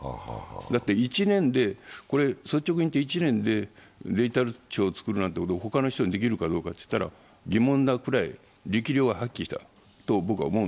だって率直に言って１年でデジタル庁を作るなんてこと他の人にできるかどうかといったら疑問なぐらい力量は発揮したと僕は思う。